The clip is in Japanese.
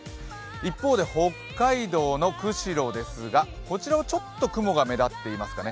一方で北海道の釧路ですが、こちらはちょっと雲が目立っていますかね。